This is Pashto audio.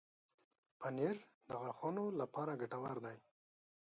پنېر د غاښونو لپاره ګټور دی.